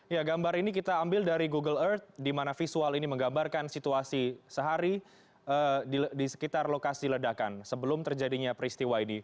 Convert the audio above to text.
ya gambar ini kita ambil dari google earth di mana visual ini menggambarkan situasi sehari di sekitar lokasi ledakan sebelum terjadinya peristiwa ini